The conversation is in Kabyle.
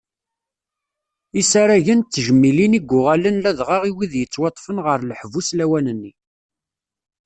Isaragen d tejmilin i yuɣalen ladɣa i wid yettwaṭṭfen ɣer leḥbus lawan-nni.